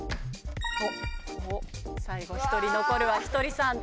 最後１人残るはひとりさん